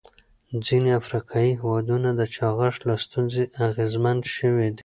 ځینې افریقایي هېوادونه د چاغښت له ستونزې اغېزمن شوي دي.